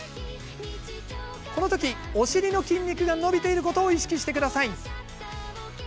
この時、お尻の筋肉が伸びていることを意識してください。